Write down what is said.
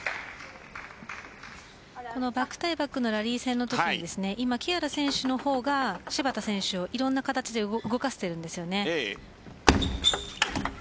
バック対バックのラリー戦のときに今木原選手の方が芝田選手をいろんな形で動かせているんですよね。